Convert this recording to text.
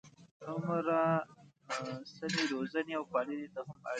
هغومره سمې روزنې او پالنې ته هم اړ دي.